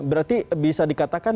berarti bisa dikatakan